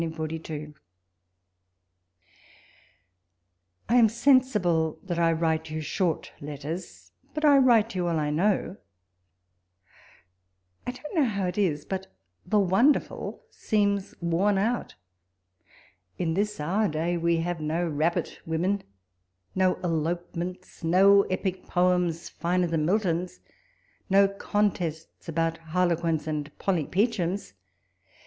.. I AM sensible that I write you short letters, but I write you all I know. 1 don't know how it is, but ihe icondcrful seems worn out. In this our day, we have no rabbit women — no elopements— no epic poems, finer than Milton's — no contests about Harlequins and Polly Peachems.